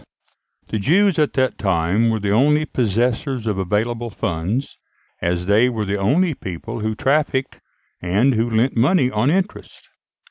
The Jews at that time were the only possessors of available funds, as they were the only people who trafficked, and who lent money on interest.